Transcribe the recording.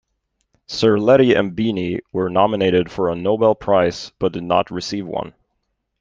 Cerletti and Bini were nominated for a Nobel Prize but did not receive one.